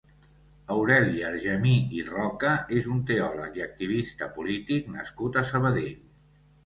Aureli Argemí i Roca és un teòleg i activista polític nascut a Sabadell.